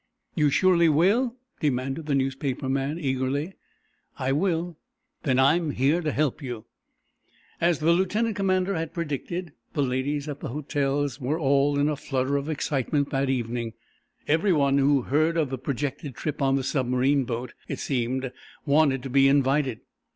"You surely will?" demanded the newspaper eagerly. "I will." "Then I'm here to help you" As the lieutenant commander had predicted, the ladies at the hotels were in a flutter of excitement that evening. Every one who heard of the projected trip on the submarine boat, it seemed, wanted to be invited.